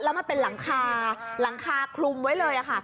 แล้วมันเป็นหลังคาหลังคาคลุมไว้เลยค่ะ